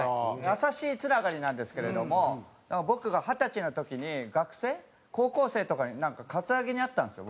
「優しい」つながりなんですけれども僕が二十歳の時に学生高校生とかになんかカツアゲにあったんですよ